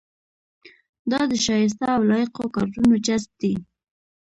دا د شایسته او لایقو کادرونو جذب دی.